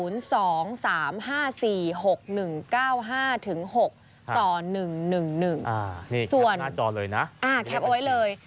นี่แคปหน้าจอเลยนะแคปไว้เลย